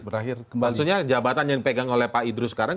maksudnya jabatan yang dipegang oleh pak idrus sekarang